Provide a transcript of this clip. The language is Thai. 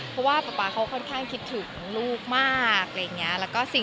เพราะค่อนข้างคิดถึงลูกมาก